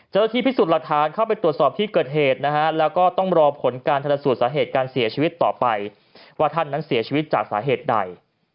ที่พิสูจน์หลักฐานเข้าไปตรวจสอบที่เกิดเหตุนะฮะแล้วก็ต้องรอผลการทันสูตรสาเหตุการเสียชีวิตต่อไปว่าท่านนั้นเสียชีวิตจากสาเหตุใด